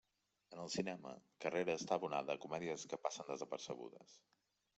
En el cinema, Carrera està abonada a comèdies que passen desapercebudes.